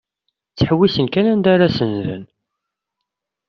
Ttḥewwisen kan anda ara senden.